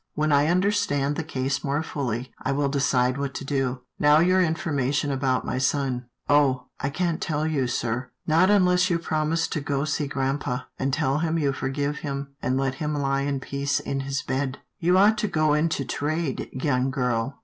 When I understand the case more fully, I will decide what to do — Now for your information about my son." " Oh ! I can't tell you, sir — not unless you promise to go see grampa, and tell him you forgive him, and let him lie in peace in his bed." " You ought to go into trade, young girl.